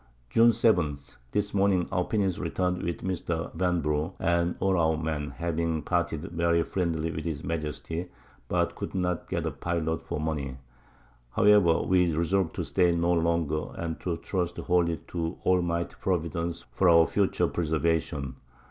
June 7. This Morning our Pinnace return'd with Mr. Vanbrugh, and all our Men, having parted very friendly with his Majesty, but could not get a Pilot for Money; however we resolv'd to stay no longer, and to trust wholly to Almighty Providence for our future Preservation.